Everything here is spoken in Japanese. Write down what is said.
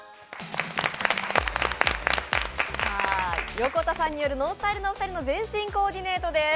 横田さんによるＮＯＮＳＴＹＬＥのお二人の全身コーディネートです。